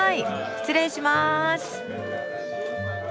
失礼します。